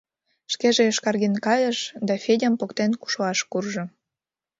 — Шкеже йошкарген кайыш, да Федям поктен шуаш куржо.